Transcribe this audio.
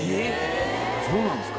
そうなんですか？